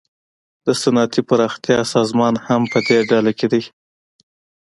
د صنعتي پراختیا سازمان هم پدې ډله کې دی